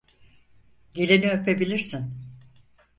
Gelini öpebilirsin.